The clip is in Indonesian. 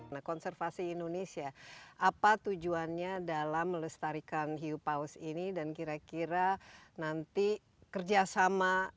nah konservasi indonesia apa tujuannya dalam melestarikan yupaus ini dan kira kira nanti kerjasama